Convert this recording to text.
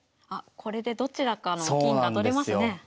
あっこれでどちらかの金が取れますね。